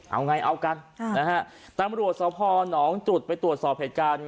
เอาไงเอากันค่ะนะฮะตำรวจสพหนองจุดไปตรวจสอบเหตุการณ์